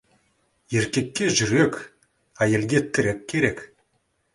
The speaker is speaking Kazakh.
Еркекке жүрек, әйелге тірек керек.